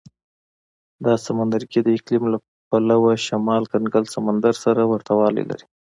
دا سمندرګي د اقلیم له پلوه شمال کنګل سمندر سره ورته والی لري.